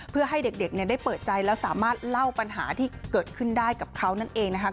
เพื่อให้เด็กได้เปิดใจแล้วสามารถเล่าปัญหาที่เกิดขึ้นได้กับเขานั่นเองนะคะ